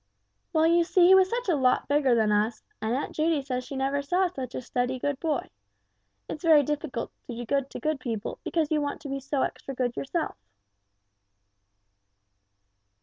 "Well, you see he was such a lot bigger than us, and Aunt Judy says she never saw such a steady good boy; it's very difficult to do good to good people, because you want to be so extra good yourself."